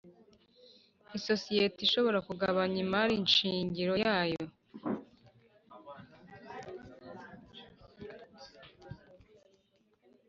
Isosiyete ishobora kugabanya imari shingiro yayo